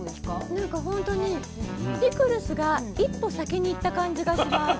なんかほんとにピクルスが一歩先に行った感じがします。